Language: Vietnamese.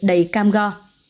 đầy cam go